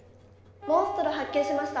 「モンストロ発見しました！